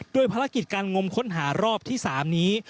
โดยภารกิจการงมค้นหารอบที่๓นี้